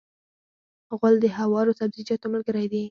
غول د هوارو سبزیجاتو ملګری دی.